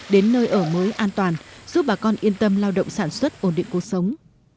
đến nơi ở mới an toàn giúp bà con yên tâm lao động sản xuất ổn định cuộc sống